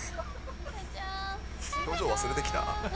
表情忘れてきた？